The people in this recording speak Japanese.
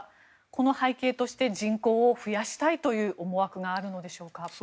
この背景として人口を増やしたいという思惑があるのでしょうか。